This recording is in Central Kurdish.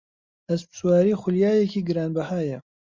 ئەسپسواری خولیایەکی گرانبەهایە.